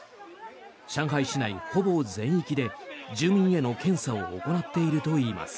上海市内ほぼ全域で住民への検査を行っているといいます。